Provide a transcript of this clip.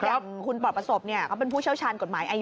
อย่างคุณปลอดประสบเขาเป็นผู้เชี่ยวชาญกฎหมายอายุ